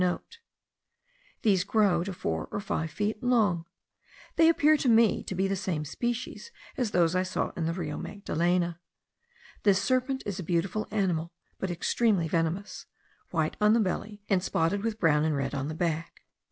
These grow to four or five feet long. They appeared to me to be the same species as those I saw in the Rio Magdalena. This serpent is a beautiful animal, but extremely venomous, white on the belly, and spotted with brown and red on the back.